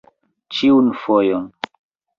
Ĉiun fojon!